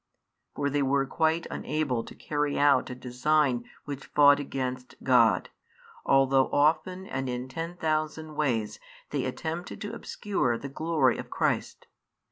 For they were quite unable to carry out a design which fought against God, although often and in ten thousand ways they attempted to obscure the glory of Christ.